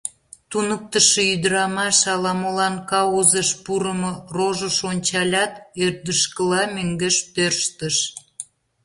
Туныктышо ӱдырамаш ала-молан каузыш пурымо рожыш ончалят, ӧрдыжкыла мӧҥгеш тӧрштыш...